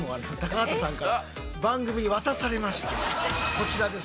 こちらです。